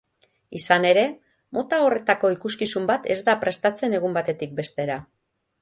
Izan ere, mota horretako ikuskizun bat ez da prestatzen egun batetik bestera.